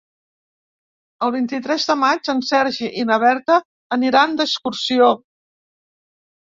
El vint-i-tres de maig en Sergi i na Berta aniran d'excursió.